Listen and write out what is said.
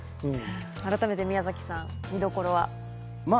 改めて宮崎さん、見どころは？